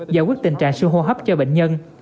giải quyết tình trạng siêu hô hấp cho bệnh nhân